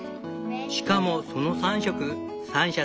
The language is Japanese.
しかもその３色三者